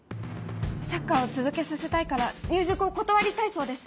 サッカーを続けさせたいから入塾を断りたいそうです。